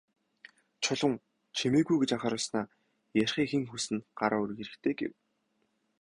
Чулуун «Чимээгүй» гэж анхааруулснаа "Ярихыг хэн хүснэ, гараа өргөх хэрэгтэй" гэв.